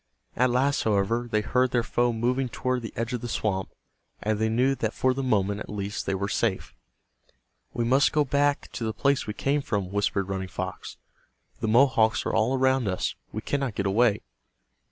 At last, however, they heard their foe moving toward the edge of the swamp, and they knew that for the moment at least they were safe. "We must go back to the place we came from," whispered Running Fox. "The Mohawks are all around us. We cannot get away."